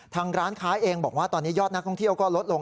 ทางร้านค้าเองบอกว่าตอนนี้ยอดนักท่องเที่ยวก็ลดลง